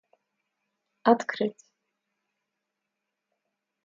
открыть